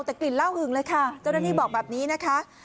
แต่กลิ่นเหล้าหึงเลยค่ะเจ้าหน้าที่บอกแบบนี้นะคะ